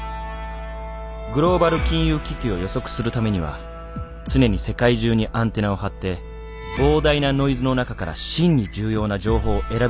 「グローバル金融危機を予測するためには常に世界中にアンテナを張って膨大なノイズの中から真に重要な情報を選び出す分析力が必要です。